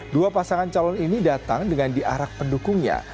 dua pasangan calon ini datang dengan diarak pendukungnya